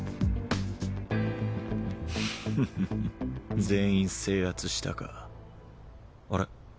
フフフ全員制圧したかあれ？